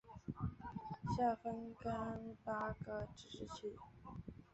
下分廿八个自治市。